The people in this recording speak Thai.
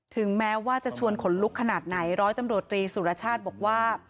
ถึงแม้ว่าจะชวนขนลุกขนาดไหนร้อยตำรวจตรีสุรชาติบอกว่า